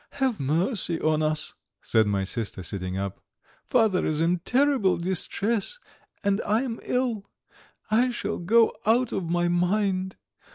"Have mercy on us," said my sister, sitting up. "Father is in terrible distress and I am ill; I shall go out of my mind.